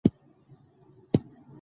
ژبه د ملت پیژندګلوي ده.